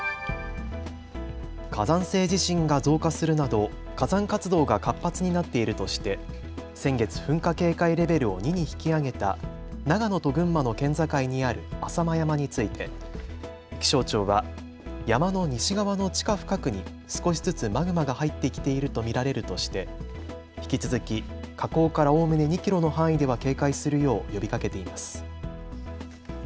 火山性地震が増加するなど火山活動が活発になっているとして先月、噴火警戒レベルを２に引き上げた長野と群馬の県境にある浅間山について気象庁は山の西側の地下深くに少しずつマグマが入ってきていると見られるとして引き続き火口からおおむね２キロの範囲では警戒するよう呼びかけています。